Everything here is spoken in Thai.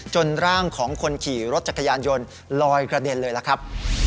ร่างของคนขี่รถจักรยานยนต์ลอยกระเด็นเลยล่ะครับ